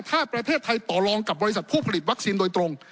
ถ้าประเทศไทยต่อรองกับบริษัทผู้ผลิตวัคซีนโดยตรง